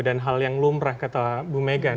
dan hal yang lumrah kata bu mega